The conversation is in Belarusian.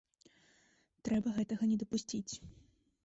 Трэба гэтага не дапусціць.